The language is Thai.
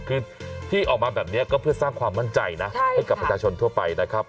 คือที่ออกมาแบบนี้ก็เพื่อสร้างความมั่นใจนะให้กับประชาชนทั่วไปนะครับ